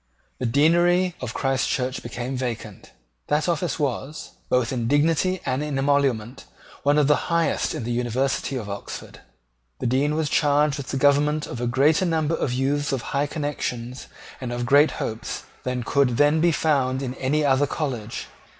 The Deanery of Christchurch became vacant. That office was, both in dignity and in emolument, one of the highest in the University of Oxford. The Dean was charged with the government of a greater number of youths of high connections and of great hopes than could then be found in any other college.